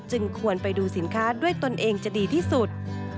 ควรไปดูสินค้าด้วยตนเองจะดีที่สุด